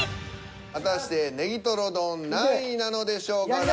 果たしてねぎとろ丼何位なのでしょうか。